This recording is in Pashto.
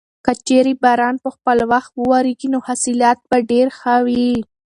که چېرې باران په خپل وخت وورېږي نو حاصلات به ډېر ښه وي.